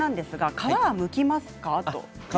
皮はむきます。